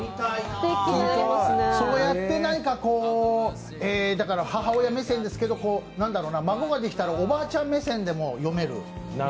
そうやって何か母親目線ですけど孫ができたらおばあちゃん目線でも読める。